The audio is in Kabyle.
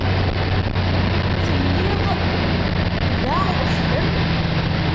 Telliḍ da weḥd-m?